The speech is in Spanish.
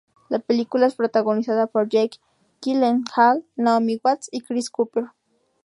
La película es protagonizada por Jake Gyllenhaal, Naomi Watts y Chris Cooper.